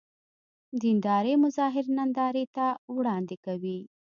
دیندارۍ مظاهر نندارې ته وړاندې کوي.